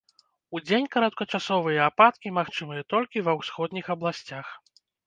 Удзень кароткачасовыя ападкі магчымыя толькі ва ўсходніх абласцях.